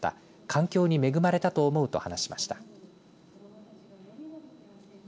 環境に恵まれたと思うと話しました。